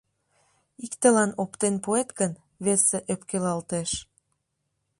Иктылан оптен пуэт гын, весе ӧпкелалтеш.